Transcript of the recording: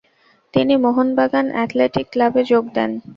তিনি মোহনবাগান অ্যাথলেটিক ক্লাবে যোগ দেন।